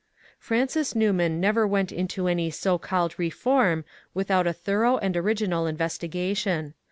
Francis Newman never went into any so called ^* Reform " without a thorough and original investigation.